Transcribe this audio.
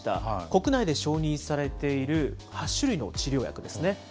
国内で承認されている８種類の治療薬ですね。